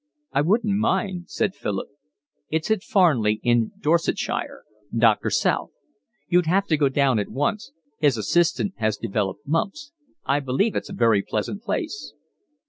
"I wouldn't mind," said Philip. "It's at Farnley, in Dorsetshire. Doctor South. You'd have to go down at once; his assistant has developed mumps. I believe it's a very pleasant place."